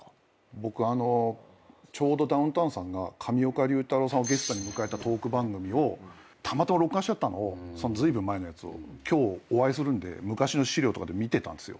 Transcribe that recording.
僕あのちょうどダウンタウンさんが上岡龍太郎さんをゲストに迎えたトーク番組をたまたま録画してあったのをずいぶん前のやつを今日お会いするんで昔の資料とかで見てたんですよ。